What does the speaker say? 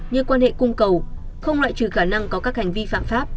như quan hệ cung cầu không loại trừ khả năng có các hành vi phạm pháp